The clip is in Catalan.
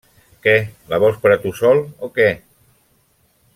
Que la vols per a tu sol... o què?